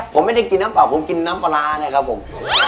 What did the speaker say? ผมไม่ได้กินน้ำเปล่าผมกินน้ำปลาร้านะครับผม